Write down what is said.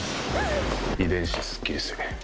「遺伝子すっきり水」。